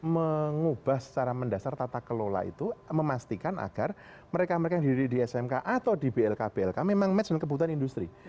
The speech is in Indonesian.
mengubah secara mendasar tata kelola itu memastikan agar mereka mereka yang didiri di smk atau di blk blk memang match dengan kebutuhan industri